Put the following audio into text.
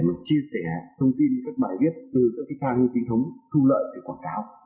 để chia sẻ thông tin các bài viết từ các trang trình thống thu lợi để quảng cáo